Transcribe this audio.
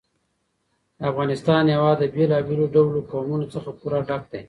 د افغانستان هېواد له بېلابېلو ډولو قومونه څخه پوره ډک دی.